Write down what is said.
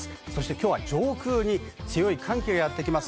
今日は上空に強い寒気がやってきます。